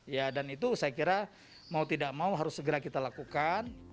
ya dan itu saya kira mau tidak mau harus segera kita lakukan